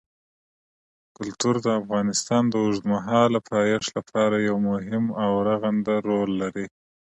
کلتور د افغانستان د اوږدمهاله پایښت لپاره یو مهم او رغنده رول لري.